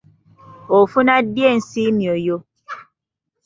Ofuna ddi ensiimyo yo?